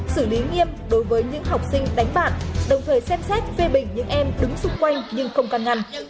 xử lý nghiêm đối với những học sinh đánh bạn đồng thời xem xét phê bình những em đứng xung quanh nhưng không căn ngăn